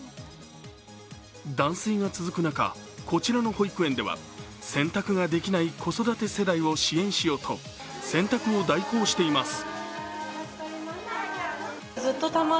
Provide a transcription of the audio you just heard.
断水が続く中、こちらの保育園では洗濯ができない子育て世代を支援しようと洗濯を代行しています。